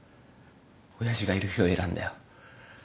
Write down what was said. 親父がいる日を選んだよ。